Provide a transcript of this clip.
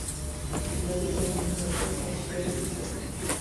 زه د ژمي موسم تشریح لیکم.